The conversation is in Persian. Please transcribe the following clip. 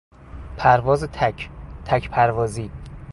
پرواز تک، تک پروازی